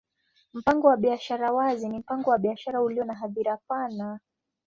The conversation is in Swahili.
Mpango wa biashara wazi ni mpango wa biashara ulio na hadhira pana.